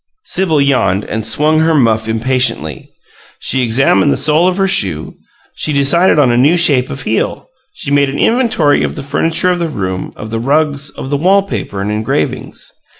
Sibyl yawned and swung her muff impatiently; she examined the sole of her shoe; she decided on a new shape of heel; she made an inventory of the furniture of the room, of the rugs, of the wall paper and engravings.